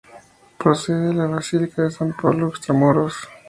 Procede de la basílica de San Pablo Extramuros.